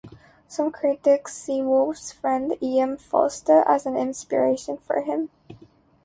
Some critics see Woolf's friend E. M. Forster as an inspiration for him.